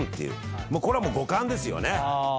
これはもう語感ですよね。